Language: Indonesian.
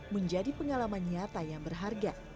menjadi pengalaman nyata yang berharga